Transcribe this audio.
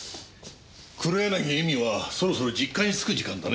黒柳恵美はそろそろ実家に着く時間だね。